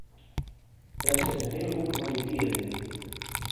Dêr sit in hiele hoeke fan myn tiid yn.